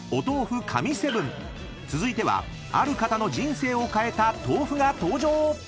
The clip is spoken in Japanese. ［続いてはある方の人生を変えた豆腐が登場］